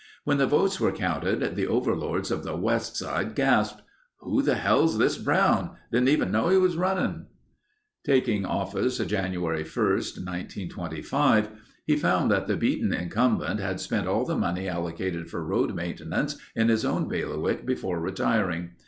When the votes were counted the overlords of the west side gasped. "Who the hell's this Brown? Didn't even know he was running...." Taking office January 1, 1925, he found that the beaten incumbent had spent all the money allocated for road maintenance in his own bailiwick before retiring.